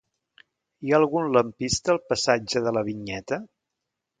Hi ha algun lampista al passatge de la Vinyeta?